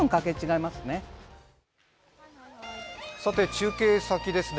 中継先ですね。